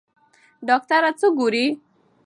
ډاکټره څه ګوري؟